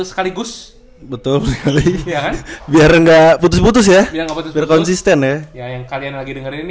sekaligus betul betul ya biar nggak putus putus ya konsisten ya yang kalian lagi dengerin ini